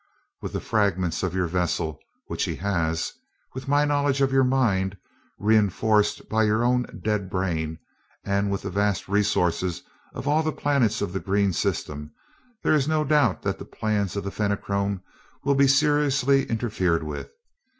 With the fragments of your vessel, which he has; with my knowledge of your mind, reenforced by your own dead brain; and with the vast resources of all the planets of the green system; there is no doubt that the plans of the Fenachrone will be seriously interfered with.